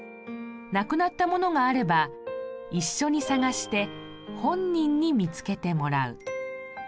無くなった物があれば一緒に捜して本人に見つけてもらう。